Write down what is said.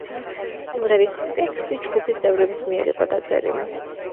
სიმღერის ტექსტი ჯგუფის წევრების მიერ იყო დაწერილი.